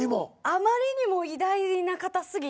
あまりにも偉大な方すぎて。